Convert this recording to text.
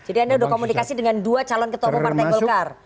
jadi anda sudah komunikasi dengan dua calon ketua umum partai golkar